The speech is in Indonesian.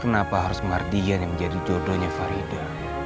kenapa harus mardian yang menjadi jodohnya farida